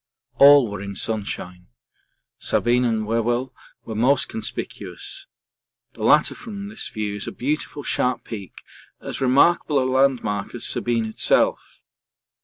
All were in sunshine; Sabine and Whewell were most conspicuous the latter from this view is a beautiful sharp peak, as remarkable a landmark as Sabine itself.